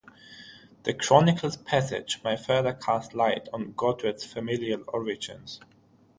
The chronicle's passage may further cast light on Godred's familial origins.